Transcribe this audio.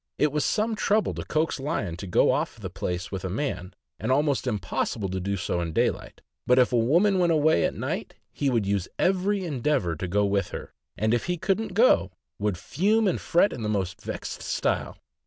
It was some trouble to coax Lion to go off the place with a man, and almost impossible to do so in daylight; but if a woman went away at night, he would use every endeavor to go with her, and if he couldn't go, would fume and fret in the most vexed style.